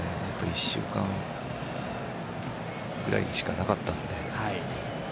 １週間ぐらいしかなかったので。